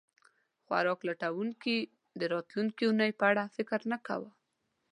خوراک لټونکي د راتلونکې اوونۍ په اړه فکر نه کاوه.